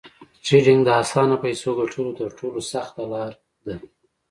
ټریډینګ د اسانه فیسو ګټلو تر ټولو سخته لار ده